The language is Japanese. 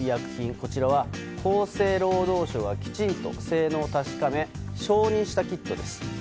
こちらは厚生労働省がきちんと性能を確かめ承認したキットです。